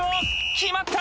決まった！